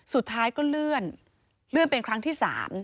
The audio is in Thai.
สุดท้ายก็เลื่อนเลื่อนเป็นครั้งที่๓